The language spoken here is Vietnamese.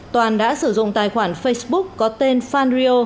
toàn đã sử dụng tài khoản facebook có tên fanio